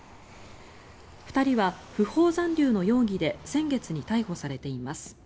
２人は不法残留の容疑で先月に逮捕されています。